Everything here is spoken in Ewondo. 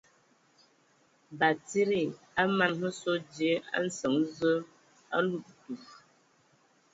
Batsidi a mana hm sɔ dzyē a nsəŋ Zǝə a ludǝtu.